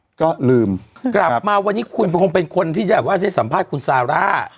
ก็ลืมกลับมาวันนี้คุณคงเป็นคนที่แบบว่าให้สัมภาษณ์คุณซาร่า